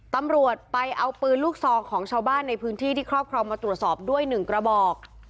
ตำรวจไปเอาปืนลูกซองของชาวบ้านในพื้นที่ที่ครอบครองมาตรวจสอบด้วย๑กระบอก